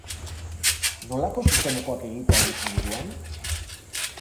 Nolako zuzenekoak egitea duzu buruan?